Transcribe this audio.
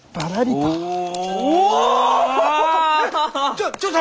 ちょちょっと！